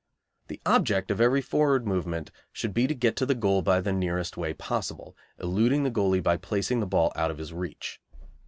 The object of every forward movement should be to get to the goal by the nearest way possible, eluding the goalie by placing the ball out of his reach.